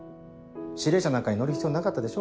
指令車なんかに乗る必要なかったでしょ？